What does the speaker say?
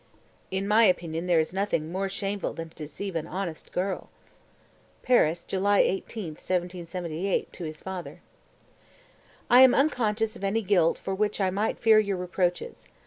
233. "In my opinion there is nothing more shameful than to deceive an honest girl." (Paris, July 18, 1778, to his father.) 234. "I am unconscious of any guilt for which I might fear your reproaches.